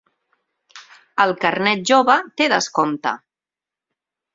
El carnet jove té descompte.